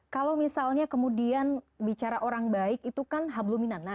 kalau misalnya kemudian bicara orang baik itu kan habluminan